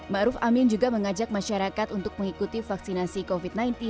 ⁇ ruf amin juga mengajak masyarakat untuk mengikuti vaksinasi covid sembilan belas